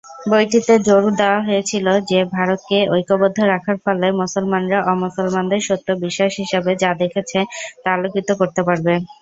বইটিতে জোর দেওয়া হয়েছিল যে ভারতকে ঐক্যবদ্ধ রাখার ফলে মুসলমানরা অ-মুসলমানদের সত্য বিশ্বাস হিসাবে যা দেখেছে তা আলোকিত করতে পারবে।